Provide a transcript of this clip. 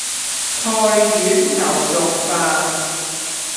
菜遠牛肉飯